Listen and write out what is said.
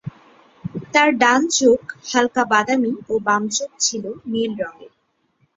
তার ডান চোখ হালকা বাদামি ও বাম চোখ ছিল নীল রঙের।